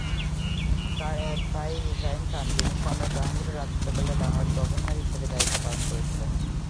তার এক ভাই ইব্রাহিম খান, যিনি সম্রাট জাহাঙ্গীরের রাজত্বকালে বাংলার গভর্নর হিসাবে দায়িত্ব পালন করেছিলেন।